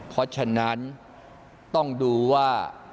เพราะฉะนั้นต้องดูว่า